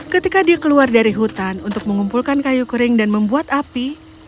ketika dia keluar dari hutan untuk mengumpulkan kayu kering dan membuat api